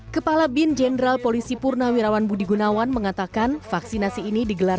kepala bin jenderal polisi purnawirawan budi gunawan mengatakan vaksinasi ini digelar